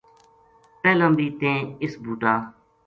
پہلاں بھی تیں اس بوٹا